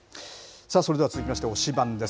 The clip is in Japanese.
それでは続きまして推しバン！です。